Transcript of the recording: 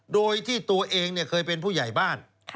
โดยที่ตัวเองเคยเป็นผู้ใหญ่บ้าน